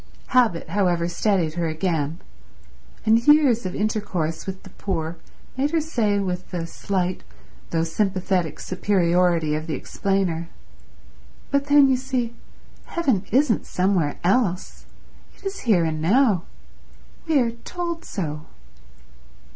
Habit, however, steadied her again; and years of intercourse with the poor made her say, with the slight though sympathetic superiority of the explainer, "But then, you see, heaven isn't somewhere else. It is here and now. We are told so."